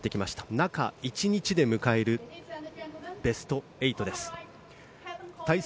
中１日で迎えるベスト８です。